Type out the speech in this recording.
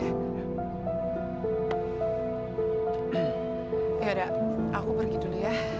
hera aku pergi dulu ya